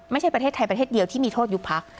ไม่ใช่ประเทศไทยประเทศเดียวที่มีโทษยุบพัก